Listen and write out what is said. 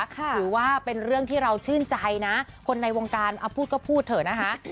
ถือว่าเป็นเรื่องที่เราชื่นใจนะคนในวงการพูดก็พูดเถอะนะคะ